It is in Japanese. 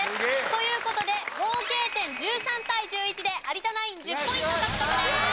という事で合計点１３対１１で有田ナイン１０ポイント獲得です。